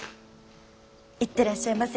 行ってらっしゃいませ。